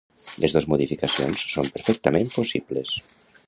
Les dos modificacions són perfectament possibles.